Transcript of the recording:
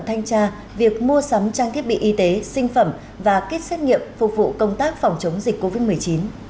thanh tra việc mua sắm trang thiết bị y tế sinh phẩm và kết xét nghiệm phục vụ công tác phòng chống dịch covid một mươi chín